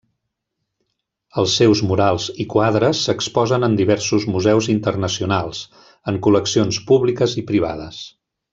Els seus murals i quadres s'exposen en diversos museus internacionals, en col·leccions públiques i privades.